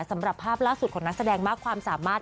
สำหรับภาพล่าสุดของนักแสดงมากความสามารถ